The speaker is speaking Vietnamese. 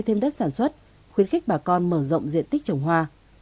thêm đất sản xuất khuyến khích bà con mở rộng diện tích trồng hoa